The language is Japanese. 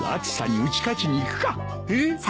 えっ？